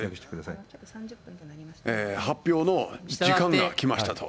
ここで発表の時間が来ましたと。